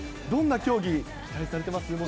どんな競技、期待されてます？